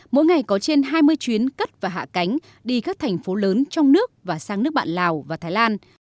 mỗi ngày có trên hai mươi chuyến cất và hạ cánh đi các thành phố lớn trong nước và sang nước bạn lào và thái lan